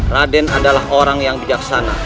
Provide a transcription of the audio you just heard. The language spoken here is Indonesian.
raden adalah orang yang bijaksana